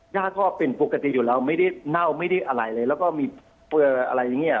ก็เป็นปกติอยู่แล้วไม่ได้เน่าไม่ได้อะไรเลยแล้วก็มีเปลืออะไรอย่างเงี้